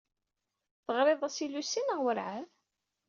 Teɣrid-as i Lucy neɣ werɛad?